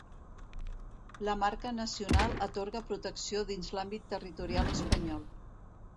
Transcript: La marca nacional atorga protecció dins l'àmbit territorial espanyol.